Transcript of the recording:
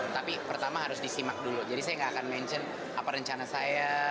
tapi pertama harus disimak dulu jadi saya nggak akan mention apa rencana saya